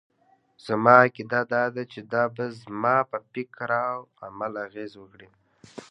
زما عقيده دا ده چې دا به زما پر فکراو عمل اغېز وکړي.